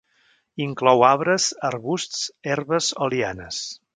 Inclou arbres, arbusts, herbes, o lianes.